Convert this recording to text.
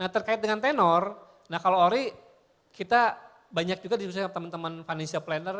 terkait dengan tenor kalau ory kita banyak juga di teman teman financial planner